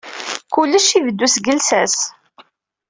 Kullec ibeddu-d seg llsas.